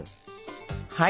はい。